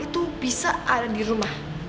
itu bisa ada di rumah